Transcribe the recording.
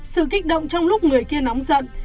sự kích động trong lúc người kia nóng giận